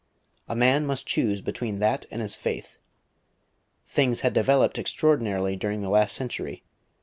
A man must choose between that and his faith. Things had developed extraordinarily during the last century.